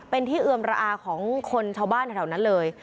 เป็นที่เอือมระอาของคนชาวบ้านแถวนั้นเลย